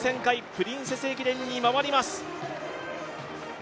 プリンセス駅伝に回ります。